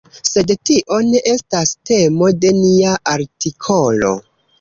Sed tio ne estas temo de nia artikolo.